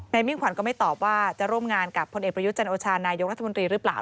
มิ่งขวัญก็ไม่ตอบว่าจะร่วมงานกับพลเอกประยุทธ์จันโอชานายกรัฐมนตรีหรือเปล่า